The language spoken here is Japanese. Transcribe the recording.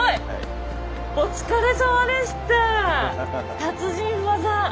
達人技！